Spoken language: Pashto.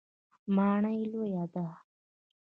ماڼۍ لویه ده.